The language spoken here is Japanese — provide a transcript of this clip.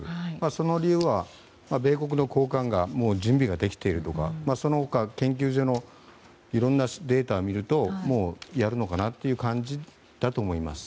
その理由は、米国の高官が準備ができているとかその他研究所のいろんなデータを見るとやるのかなという感じだと思います。